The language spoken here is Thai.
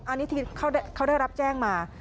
อันนี้ที่เขาได้รับแจ้งมา